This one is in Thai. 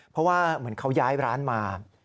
เพราะว่าเหมือนเขาย้ายร้านมา